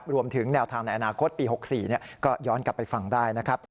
รวมถึงแนวทางในอนาคตปี๖๔ก็ย้อนกลับไปฟังได้นะครับ